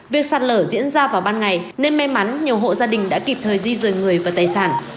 việc sạt lở diễn ra vào ban ngày nên may mắn nhiều hộ gia đình đã kịp thời di rời người và tài sản